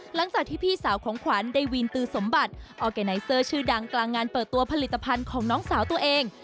หลังจากที่พี่สาวของขวัญได้วีนตือสมบัติออร์แกไนเซอร์ชื่อดังกลางงานเปิดตัวผลิตภัณฑ์ของน้องสาวตัวเอง